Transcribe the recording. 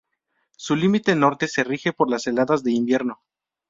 Su límite norte se rige por las heladas de invierno.